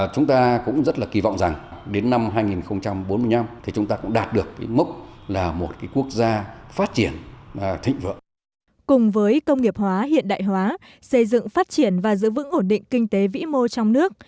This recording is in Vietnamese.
cùng với công nghiệp hóa hiện đại hóa xây dựng phát triển và giữ vững ổn định kinh tế vĩ mô trong nước